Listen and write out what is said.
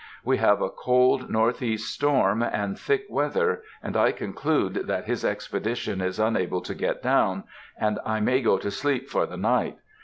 We have a cold northeast storm and thick weather, and I conclude that his expedition is unable to get down, and I may go to sleep for the night.